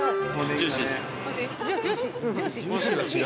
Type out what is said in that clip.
「ジュジューシー？」